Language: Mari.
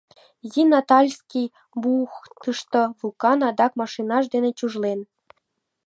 Изи натальский бухтышто “Вулкан” адак машинаж дене чужлен.